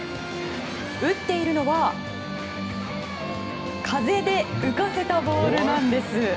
打っているのは風で浮かせたボールなんです。